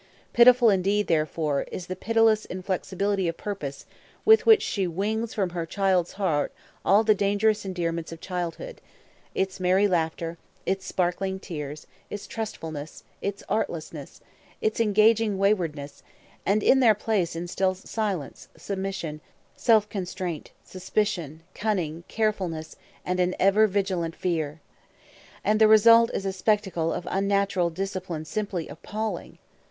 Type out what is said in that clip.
Pitiful indeed, therefore, is the pitiless inflexibility of purpose with which she wings from her child's heart all the dangerous endearments of childhood, its merry laughter, its sparkling tears, its trustfulness, its artlessness, its engaging waywardness; and in their place instils silence, submission, self constraint, suspicion, cunning, carefulness, and an ever vigilant fear. And the result is a spectacle of unnatural discipline simply appalling.